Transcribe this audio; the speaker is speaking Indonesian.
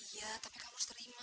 iya tapi kamu harus terima